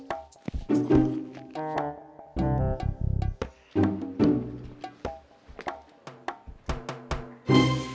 satu dua tiga tes tes